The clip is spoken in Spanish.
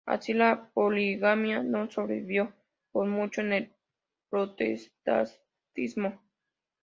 Así, la poligamia no sobrevivió por mucho en el protestantismo.